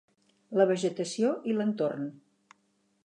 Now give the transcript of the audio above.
La vegetació i l'entorn